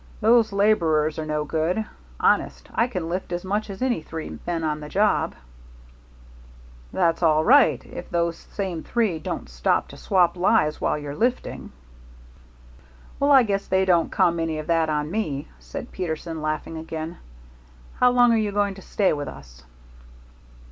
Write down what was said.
Those laborers are no good. Honest, I can lift as much as any three men on the job." "That's all right if those same three don't stop to swap lies while you're lifting." "Well, I guess they don't come any of that on me," said Peterson, laughing again. "How long are you going to stay with us?"